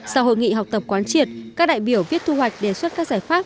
sau hội nghị học tập quán triệt các đại biểu viết thu hoạch đề xuất các giải pháp